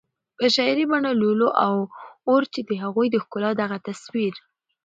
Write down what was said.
په شعري بڼه لولو او اورو چې د هغوی د ښکلا دغه تصویر